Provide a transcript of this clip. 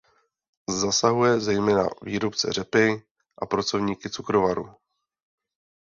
Zasahuje zejména výrobce řepy a pracovníky cukrovarů.